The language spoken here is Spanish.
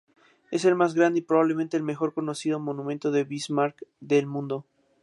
Es el más grande y probablemente el mejor conocido monumento a Bismarck del mundo.